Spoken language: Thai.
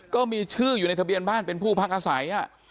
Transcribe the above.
ก็มีชื่ออยู่ในทะเบียนบ้านเป็นผู้พักอาศัย